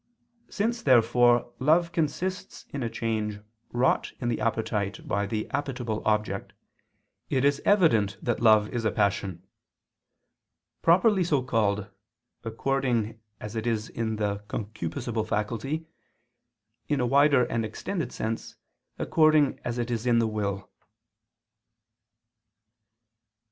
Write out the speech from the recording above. Since, therefore, love consists in a change wrought in the appetite by the appetible object, it is evident that love is a passion: properly so called, according as it is in the concupiscible faculty; in a wider and extended sense, according as it is in the will.